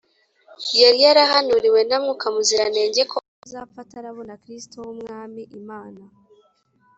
Yari yarahanuriwe na Mwuka Muziranenge ko atazapfa atarabona Kristo w’Umwami Imana